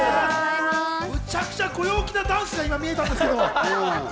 むちゃくちゃご陽気なダンスが見えたんですけど。